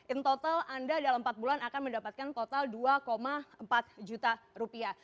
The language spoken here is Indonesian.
in total anda dalam empat bulan akan mendapatkan total dua empat juta rupiah